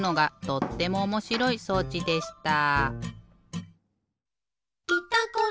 とってもおもしろい装置でした。